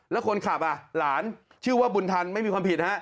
แล้วคนขับอ่ะหลานชื่อว่าบุญทันไม่มีความผิดฮะ